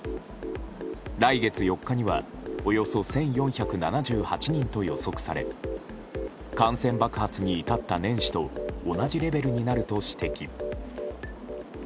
来月４日にはおよそ１４７８人と予測され感染爆発に至った年始と同じレベルになると指摘。